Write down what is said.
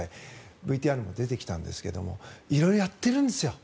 ＶＴＲにも出てきたんですが色々やってるんですよ。